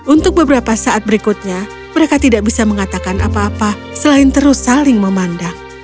untuk beberapa saat berikutnya mereka tidak bisa mengatakan apa apa selain terus saling memandang